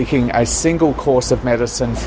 tahun dan tahun kemudian